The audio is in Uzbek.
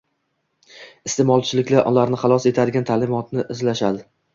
iste’molchilikdan ularni xalos etadigan ta’limotni izlashadi